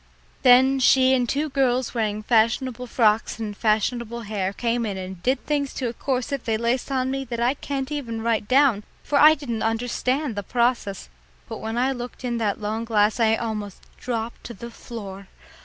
Then she and two girls wearing fashionable frocks and fashionable hair came in and did things to a corset they laced on me that I can't even write down, for I didn't understand the process, but when I looked in that long glass I almost dropped on the floor.